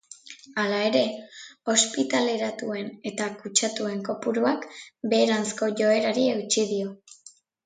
Hala ere, ospitaleratuen eta kutsatuen kopuruak beheranzko joerari eutsi dio.